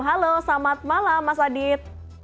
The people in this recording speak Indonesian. halo selamat malam mas adit